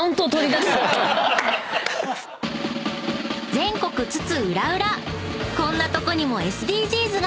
［全国津々浦々こんなとこにもＳＤＧｓが！］